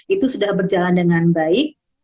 itu sudah berjalan dengan baik